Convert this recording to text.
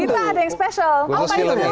kita ada yang spesial